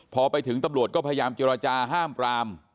พอไปถึงตำรวจก็พยายามเจรจาห้ามปราม